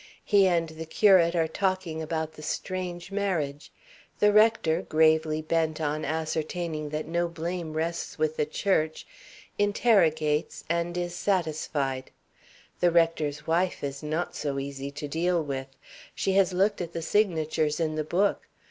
He and the curate are talking about the strange marriage. The rector, gravely bent on ascertaining that no blame rests with the church, interrogates, and is satisfied. The rector's wife is not so easy to deal with. She has looked at the signatures in the book.